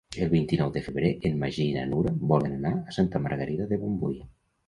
El vint-i-nou de febrer en Magí i na Nura volen anar a Santa Margarida de Montbui.